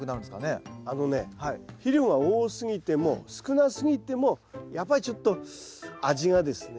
あのね肥料が多すぎても少なすぎてもやっぱりちょっと味がですね